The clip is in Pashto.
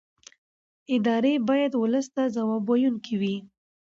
ادارې باید ولس ته ځواب ویونکې وي